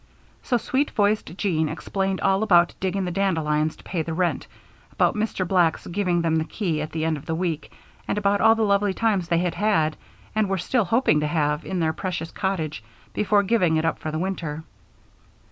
So sweet voiced Jean explained all about digging the dandelions to pay the rent, about Mr. Black's giving them the key at the end of the week, and about all the lovely times they had had and were still hoping to have in their precious cottage before giving it up for the winter.